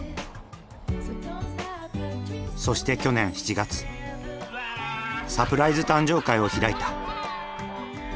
そして去年７月サプライズ誕生会を開いた。